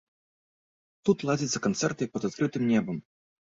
Тут ладзяцца канцэрты пад адкрытым небам.